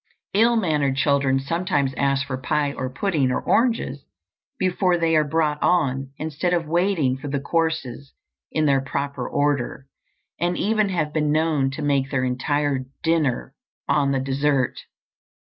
Ill mannered children sometimes ask for pie or pudding or oranges before they are brought on, instead of waiting for the courses in their proper order, and even have been known to make their entire dinner on the dessert.